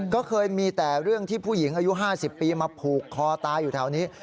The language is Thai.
ก็เคยมีแต่เรื่องที่ผู้หญิงอายุ๕๐ปีมาผูกคอตายอยู่แถวนี้